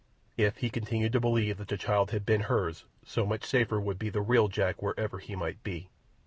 If he continued to believe that the child had been hers, so much safer would be the real Jack wherever he might be.